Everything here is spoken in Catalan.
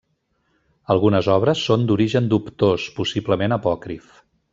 Algunes obres són d'origen dubtós, possiblement apòcrif.